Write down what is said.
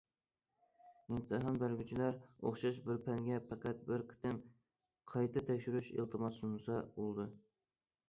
ئىمتىھان بەرگۈچىلەر ئوخشاش بىر پەنگە پەقەت بىر قېتىم قايتا تەكشۈرۈش ئىلتىماسى سۇنسا بولىدۇ.